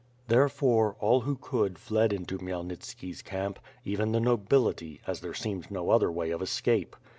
Therefore, all who could fled into Khmyelnitski's camp; even the nobility, as there seemed no other way of escape.